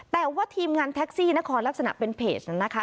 แต่ว่าทีมงานแท็กซี่นครลักษณะเป็นเพจนั้นนะคะ